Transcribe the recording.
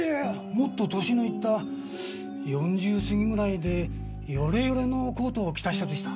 もっと歳のいった４０過ぎぐらいでヨレヨレのコートを着た人でした。